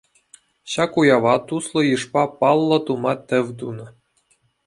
Ҫак уява туслӑ йышпа паллӑ тума тӗв тунӑ.